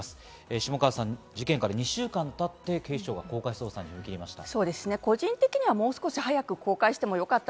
下川さん、事件から２週間経って警視庁が公開捜査に踏み切りました。